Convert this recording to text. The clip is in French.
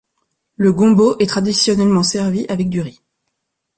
Le gombo est traditionnellement servi avec du riz.